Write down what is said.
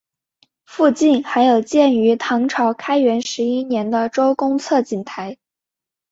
附近还有建于唐朝开元十一年的周公测景台。